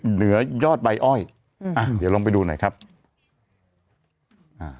เหนือยอดใบอ้อยอืมอ่ะเดี๋ยวลองไปดูหน่อยครับอ่า